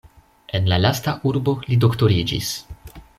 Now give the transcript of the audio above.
En la lasta urbo li doktoriĝis.